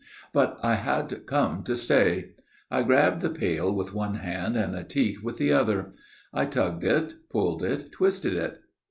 But I had come to stay. I grabbed the pail with one hand and a teat with the other. I tugged it, pulled it, twisted it.